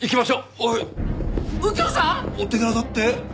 お手柄だって。